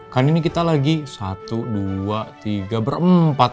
kan ini kita lagi satu dua tiga berempat